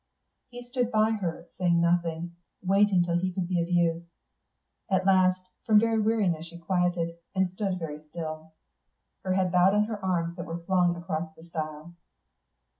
He stood by her, saying nothing, waiting till he could be of use. At last from very weariness she quieted, and stood very still, her head bowed on her arms that were flung across the stile.